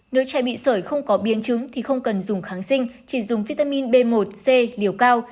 đứa trẻ bị sởi không có biến chứng thì không cần dùng kháng sinh chỉ dùng vitamin b một c liều cao